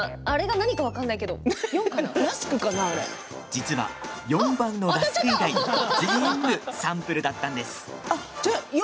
実は、４番のラスク以外全部サンプルだったんです。